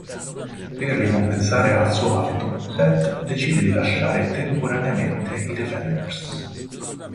Per ricompensare al suo atto, Seth decide di lasciare temporaneamente i Defenders.